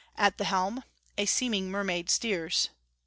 ... At the helm A seeming mermaid steers....